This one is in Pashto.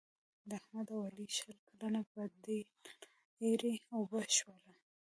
د احمد او علي شل کلنه بدي نن ایرې اوبه شوله.